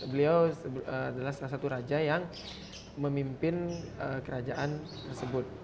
beliau adalah salah satu raja yang memimpin kerajaan tersebut